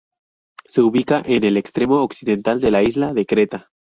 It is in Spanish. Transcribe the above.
Se ubica en el extremo occidental de la isla de Creta.